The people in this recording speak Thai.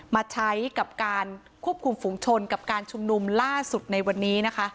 มาใช้กับการควบคุมฝุงชนกับการชุมนุมล่าสุดในวันนี้นะคะ